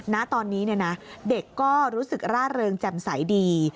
ณตอนนี้เด็กก็รู้สึกร่าเริงแจ่มใสดี